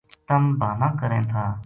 تم بہانا کریں تھا